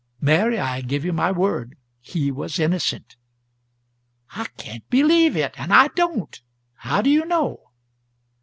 "Mary, I give you my word he was innocent." "I can't believe it and I don't. How do you know?"